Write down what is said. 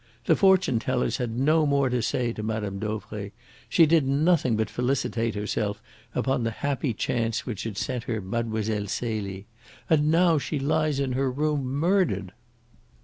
The fortune tellers had no more to say to Mme. Dauvray. She did nothing but felicitate herself upon the happy chance which had sent her Mlle. Celie. And now she lies in her room murdered!"